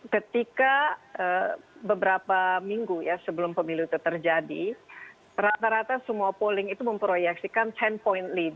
ketika beberapa minggu ya sebelum pemilu itu terjadi rata rata semua polling itu memproyeksikan sepuluh lead